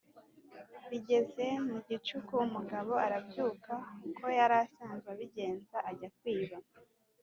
Bigeze mu gicuku umugabo arabyuka uko yari asanzwe abigenza ajya kwiba